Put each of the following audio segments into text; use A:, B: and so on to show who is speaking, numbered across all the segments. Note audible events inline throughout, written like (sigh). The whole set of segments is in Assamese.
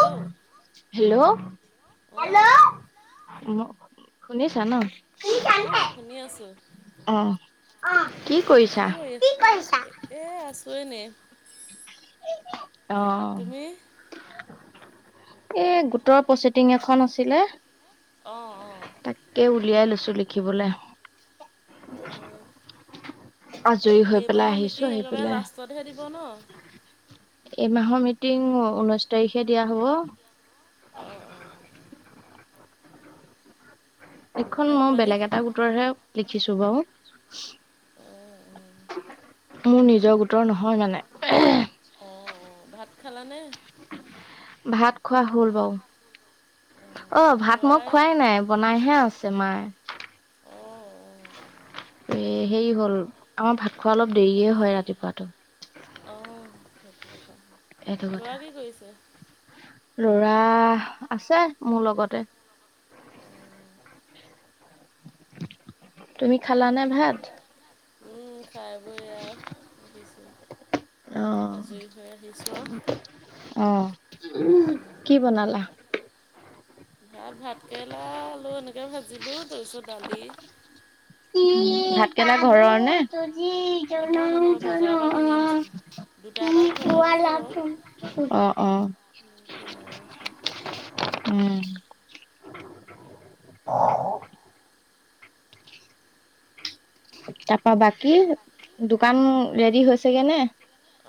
A: হেল্ল'
B: হেল্ল' হেল্ল'
A: অঁ
B: হেল্ল শুনিছা ন?
A: অঁ শুনি আছোঁ
B: অ'-অ' কি কৰিছা
A: কৰি আছ
B: কি কৰিছা?
A: এ' আছোঁ এনে।
B: অ'
A: তুমি
B: এ গোটৰ পচিটিং এখন আছিলে।
A: অ'-অ'
B: তাকেই উলিয়াই লৈছোঁ লিখিবলে।
A: অঁ
B: আজৰি হৈ পেলাই
A: সেইমাহৰ
B: আহিছোঁ
A: মিটিং
B: আহি
A: একেবাৰে
B: পেলাই
A: লাষ্টতহে দিব ন অঁ
B: এই মাহৰ মিটিং ঊনৈশ তাৰিখে দিয়া হ'ব।
A: অ'-অ' অঁ
B: এখন
A: ভাত
B: মই
A: পানী
B: বেলেগ এটা গোটৰহে লিখিছোঁ বাৰু।
A: অঁ অঁ
B: মোৰ নিজৰ গোটৰ নহয় মানে।
A: অ'-অ' ভাত খালানে?
B: ভাত খোৱা হ'ল বাৰু, ‌
A: অঁ
B: অ' ভাত মই
A: ল'ৰাই
B: খোৱাই নাই বনাইহে আছোঁ। তোমাৰ
A: অ'-অ'
B: এই হেৰি হ'ল আমাৰ ভাত খোৱা অলপ দেৰিয়ে হয় ৰাতিপুৱাটো।
A: অ' সেইটো কথা।
B: এইটো কথা,
A: ল'ৰা কি কৰিছে
B: ল'ৰা আছে মোৰ লগতে।
A: উম
B: তুমি খালা নে ভাত?
A: উম খাই বৈ এয়া শুইছো। আৰু
B: অ'-অ' কি বনালা?
A: ভাত ভাতকেৰেলা আলু এনেকৈ ভাজিলোঁ তাৰপিছত দালি।
B: ভাতকেৰেলা ঘৰৰ
A: নহয় নহয় বজাৰৰ পৰা কিনি
B: নে?
A: আনিছিলোঁ দুটা এটা
B: (unintelligible)
A: ঘৰত লাগিছে বাৰু
B: (unintelligible) অ'-অ'
A: কিনাও আছে
B: উম (inaudible) তাৰপা বাকী দোকান ৰেডি হৈছেগে নে?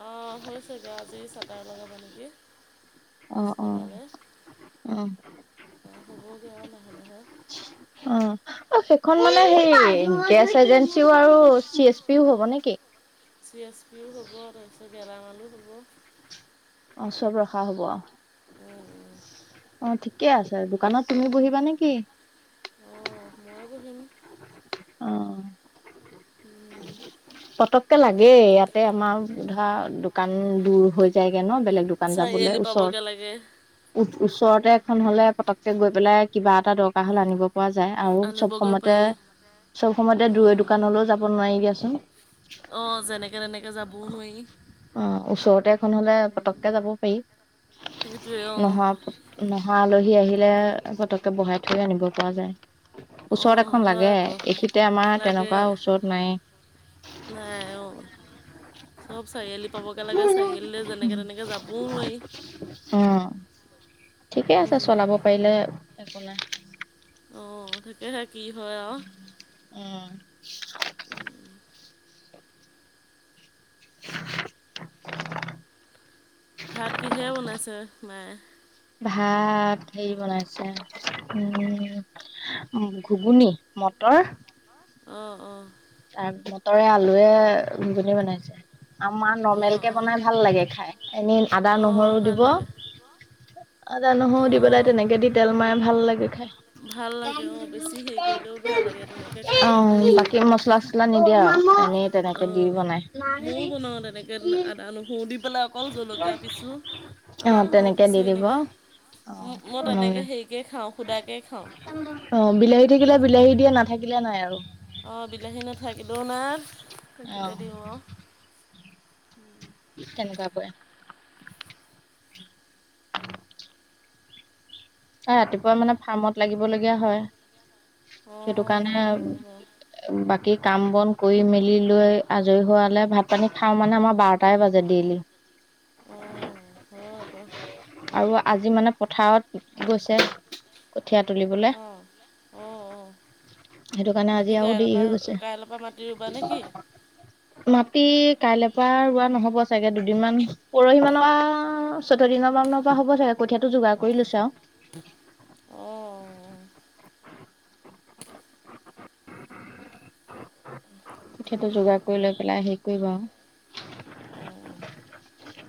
A: অ, হ'ল চাগে আজি চাটাৰ লগাব নেকি।
B: অ অ
A: পাচবেলালে
B: অ
A: (inaudible) হ'ব গে আও লাহে -লাহে।
B: অ', অ, সেইখন মানে সেই গেছ এজেঞ্চিও আৰু চি এছ পিও হ'ব নেকি?
A: চি এছ পিও ল'ব তাৰপিছত গেলামালো হ'ব।
B: অহ, চব ৰখা হ'ব অহ। অ, ঠিকে আছে দোকানত তুমি বহিবা নেকি?
A: অ, মই বহিম।
B: অ', পতককে লাগেই ইয়াতে আমাৰ ধৰা দোকান দূৰ হৈ যায়গে ন' বেলেগ দোকান যাবলে
A: চাৰিআলি
B: ওচৰত।
A: পাবগৈ লাগে
B: উত ওচৰতে এখন হলে পতককে গৈ পেলাই কিবা এটা দৰকাৰ হ'লে আনিব পোৱা যায় আৰু চব
A: আনিবগৈ
B: সময়তে
A: পাৰি
B: -চব সময়তে দুৰে
A: অঁ
B: দোকানলৈও যাব নোৱাৰি দিয়াচোন।
A: অ, যেনেকে তেনেকে যাবও নোৱাই।
B: অ, ওচৰতে এখন হ'লে পতককে যাব পাৰি
A: সেইটোৱে
B: নহা
A: অঁ
B: নহ অ, আলহী আহিলে পতককে বহাই থৈ আনিব পৰা যায়। ওচৰত
A: অঁ
B: এখন
A: হয়
B: লাগে
A: আকৌ
B: এইখিতে আমাৰ
A: লাগে
B: তেনেকুৱা ওচৰত নায়ে।
A: নাই অ। চব চাৰিআলি পাবগে লাগে চাৰিআলিলৈ
B: নাই
A: যেনেকে তেনেকে যাবও নোৱাই।
B: অ, ঠিকে আছে
A: উম,
B: চলাব পাৰিলে একো নাই।
A: অ, তাকেহে কি হয় আও।
B: উম,
A: ভাত কিহে বনাইছে মায়ে?
B: ভাত হেই বনাইছে উম উম, ঘুগুনি মটৰ
A: অ', অ',
B: তাৰ মটৰে আলুয়ে ঘুগুনী বনাইছে। আমাৰ নৰ্মেল
A: অঁ
B: কে
A: অঁ
B: বনাই ভাল লাগে খাই এনেই আদা
A: অঁ
B: নহৰু
A: ভাল
B: দিব।
A: লাগে
B: আদা, নহৰু দি পেলাই
A: অঁ
B: তেনেকে দি তেল মাৰে ভাল লাগে খাই।
A: ভাল লাগে অঁ বেছি হেৰি কৰিলেও বেয়া লাগে তেনেকৈ খাই
B: (unintelligible) অ,
A: ভাল লাগে চোন
B: বাকী মছলা (unintelligible) নিদিয়ে আৰু এনে
A: অ, মও বনাওঁ তেনেকে আদা, নহৰু দি পেলাই। অকল জলকীয়া পিছো
B: অ',
A: আদা, নহৰু
B: তেনেকে
A: পিছি
B: দি দিব
A: এনেকে।
B: অ',
A: ম মই
B: উম।
A: তেনেকে হেৰিকেই খাওঁ খুদাকেই খাওঁ।
B: অ, বিলাহী থাকিলে
A: সেইটো
B: বিলাহী দিয়ে নাথাকিলে নাই আৰু।
A: অ, বিলাহী নাথাকিলেও নাই থাকিলে
B: অ'
A: দিওঁ আও।
B: তেনেকুৱা কৰে। (inaudible) আ ৰাতিপুৱা মানে ফাৰ্মত লাগিব লগীয়া হয় সেইটো
A: অ'। হয় বাৰু
B: কাৰণে বাকী কাম বন কৰি মেলি লৈ আজৰি হোৱালে ভাত পানী খাওঁ মানে আমাৰ বাৰটাই বাজে ডেইলি। (inaudible)
A: অ, হয় আঁক।
B: আৰু আজি মানে পথাৰত গৈছে। কঠীয়া তুলিবলে।
A: অ'। অ', অ',
B: সেইটো কাৰণে
A: মাটি
B: আজি আও
A: কাইলৈৰ
B: দেৰি
A: পৰা
B: হৈ গৈছে।
A: কাইলৈৰ পৰা মাটি ৰুবা নেকি?
B: মাটি কাইলে পোৱা ৰোৱা নহ'ব চাগে দুদিনমান পৰহি মানৰ পা চৈধ্য দিনৰ মানৰ পৰা হ'ব চাগে কঠীয়াটো যোগাৰ কৰি লৈছে আও।
A: অ', অ',
B: কঠিয়াটো যোগাৰ কৰি লৈ পেলাই হেই কৰিব।
A: অ',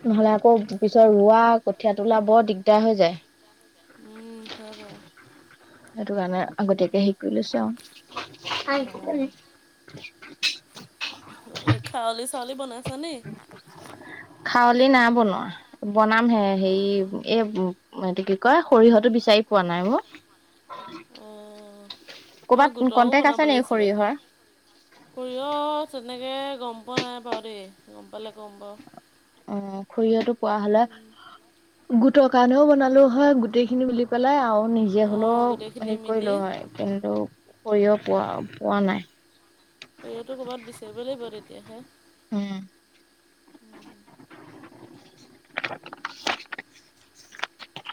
B: নহ'লে আকৌ পিছৰ ৰোৱা, কঠিয়া তোলা, বৰ দিগদাৰ হৈ যায়।
A: হুম হয় গ।
B: সেইটো কাৰণে আগতীয়াকে হে কৰি
A: অ'।
B: লৈছো আৰু (unintelligible)
A: খাউলি চাউলি বনাইছা নি?
B: খাৱলি নাই বনোৱা। বনাম হে হেৰি
A: অ'।
B: এই কি কয় সৰিয়হটো বিচাৰি পোৱা নাই অ অ অ
A: অ গোটও বনাব লাগিছিলে।
B: সৰিয়হৰ?
A: সৰিয়হ তেনেকৈ গম পোৱা নাই বাৰু দেই গম পালে ক'ম বাৰু
B: অ সৰিয়হটো পোৱা হলে গোটৰ কাৰণেও বনালো হয় গোটেই খিনি মিলি পেলাই আৰু নিজে হলেও
A: অ', গোটেইখিনি
B: হেৰি
A: মিলি
B: কৰিলো হয় কিন্তু সৰিয়হ পোৱা পোৱা নাই।
A: তুমিতো ক'ৰবাত বিচাৰিব লাগিব তেতিয়াহে।
B: উম। (inaudible)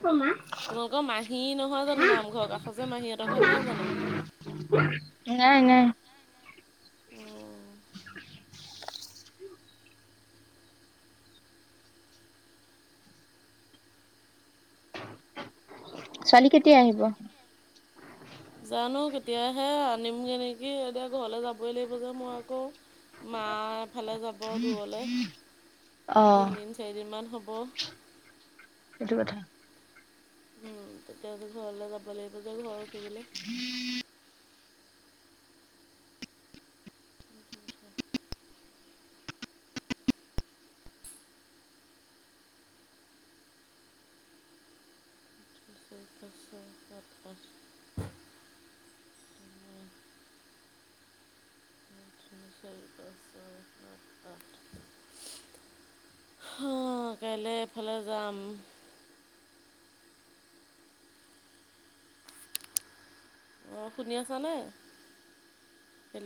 B: ঔ মা
A: তোমালোকৰ মাহী নহয় জানো নামঘৰ কাষৰ যে মাহীহঁতৰ ঘৰ নাই জানো?
B: নাই নাই।
A: অ'।
B: ছোৱালী কেতিয়া আহিব?
A: জানো কেতিয়াহে আনিমগৈ নেকি এতিয়া ঘৰলৈ যাবই লাগিব যে মই আকৌ মা এফালে যাব দূৰলে,
B: অ
A: তিনদিন -চাৰিদিনমান হ'ব।
B: সেইটো কথা।
A: উম তেতিয়াহলে ঘৰলে যাব লাগিব যে ঘৰ ৰখিবলে।
B: উম (inaudible)
A: উ উ উ উ। ঠিকে আছে, অঁ কাইলৈ এফালে যাম। অ শুনি আছানে?